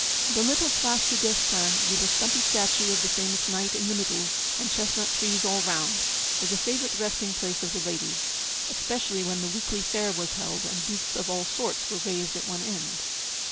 The little Place Du Guesclin, with a stumpy statue of the famous knight in the middle and chestnut trees all around, was a favourite resting place of the ladies especially when the weekly fair was held and booths of all sorts were raised at one end.